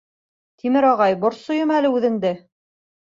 Тимер ағай, борсойом әле үҙеңде.